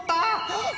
あ！